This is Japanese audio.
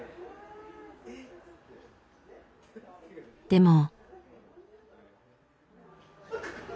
でも。